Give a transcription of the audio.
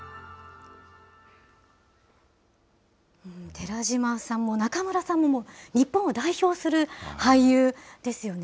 寺島さんも中村さんも、日本を代表する俳優ですよね。